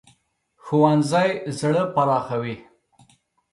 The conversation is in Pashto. ښوونځی زړه پراخوي